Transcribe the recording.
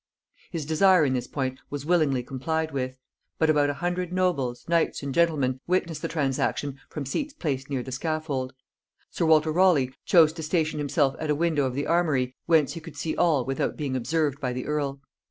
His desire in this point was willingly complied with; but about a hundred nobles, knights and gentlemen witnessed the transaction from seats placed near the scaffold. Sir Walter Raleigh chose to station himself at a window of the armory whence he could see all without being observed by the earl.